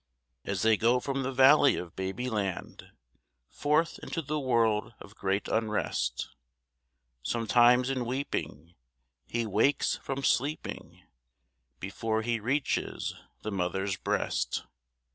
As they go from the Valley of Babyland, Forth into the world of great unrest, Sometimes in weeping, he wakes from sleeping Before he reaches the mother's breast.